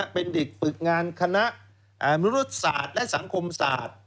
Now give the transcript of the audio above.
เป็นเด็กฝึกงานคณะมนุรุษศาสตร์และสังคมศาสตร์